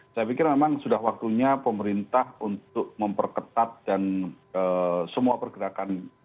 saya pikir memang sudah waktunya pemerintah untuk memperketat dan semua pergerakan